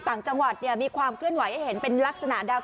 ต่างจังหวัดมีความเคลื่อนไหวให้เห็นเป็นลักษณะที่สุด